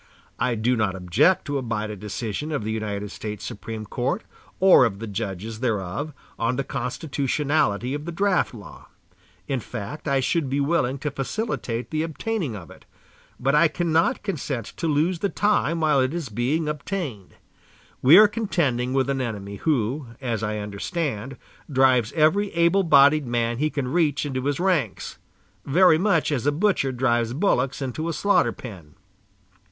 I do not object to abide a decision of the United States Supreme Court, or of the judges thereof, on the constitutionality of the draft law. In fact, I should be willing to facilitate the obtaining of it; but I cannot consent to lose the time while it is being obtained. We are contending with an enemy who, as I understand, drives every able bodied man he can reach into his ranks, very much as a butcher drives bullocks into a slaughter pen.